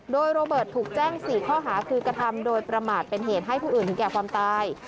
โดยโรเบิร์ตถูกแจ้ง๔ข้อหาคือกระทำโดยประมาทเป็นเหตุให้ผู้อื่นถึงแก่ความตาย